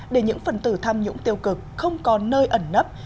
để những phần tử tham nhũng tiêu cực không còn nơi ẩn nấp